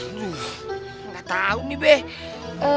aduh gak tau nih beb